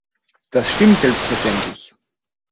Das stimmt selbstverständlich.